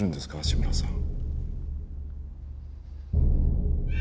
志村さん